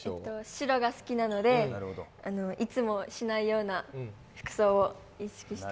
白が好きなので、いつもしないような服装を意識して。